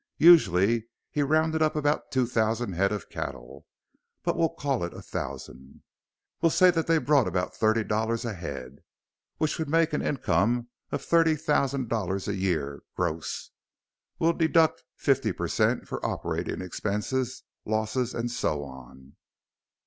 Usually he rounded up about two thousand head of cattle. But we'll call it a thousand. We'll say that they brought about thirty dollars a head, which would make an income of thirty thousand dollars a year, gross. We'll deduct fifty per cent for operating expenses, losses, and so on.